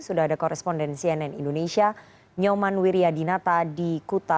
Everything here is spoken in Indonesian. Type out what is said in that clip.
sudah ada koresponden cnn indonesia nyoman wiryadinata di kuta